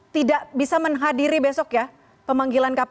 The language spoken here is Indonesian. tidak bisa menghadiri besok ya pemanggilan kpk